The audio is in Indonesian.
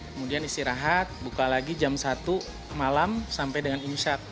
kemudian istirahat buka lagi jam satu malam sampai dengan imsat